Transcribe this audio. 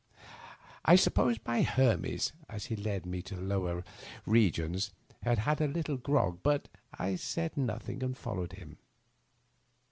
I supposed my Hermes, as he led me to the lower re gions, had had a little grog, but I said nothing, and fol lowed him.